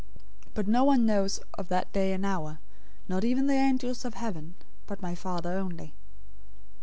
024:036 But no one knows of that day and hour, not even the angels of heaven, but my Father only.